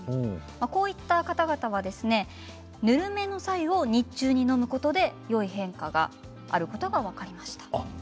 こういった方々はぬるめの白湯を日中に飲むことでよい変化があることが分かりました。